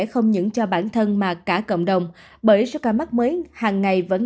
không những cho bản thân mà cả cộng đồng bởi sức khỏe mắc mới hàng ngày